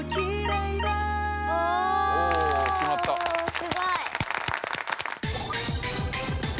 すごい。